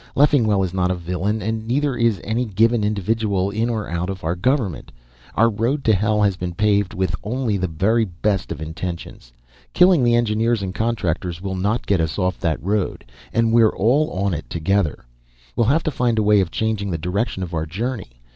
Leffingwell is not a villain and neither is any given individual, in or out of government. Our road to hell has been paved with only the very best of intentions. Killing the engineers and contractors will not get us off that road, and we're all on it together. We'll have to find a way of changing the direction of our journey.